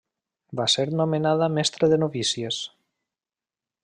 Va ser nomenada mestre de novícies.